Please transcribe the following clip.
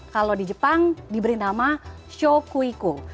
kalau di jepang diberi nama shokuiku